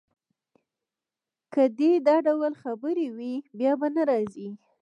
که دي دا ډول خبرې وې، بیا به نه راځې.